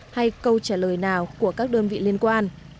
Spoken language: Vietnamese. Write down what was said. hay câu trả lời nào của các đơn vị liên quan